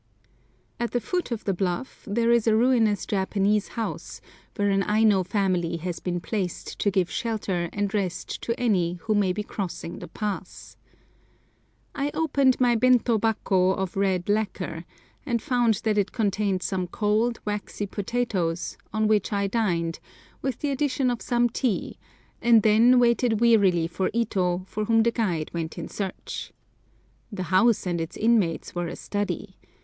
At the foot of the bluff there is a ruinous Japanese house, where an Aino family has been placed to give shelter and rest to any who may be crossing the pass. I opened my bentô bako of red lacquer, and found that it contained some cold, waxy potatoes, on which I dined, with the addition of some tea, and then waited wearily for Ito, for whom the guide went in search. The house and its inmates were a study.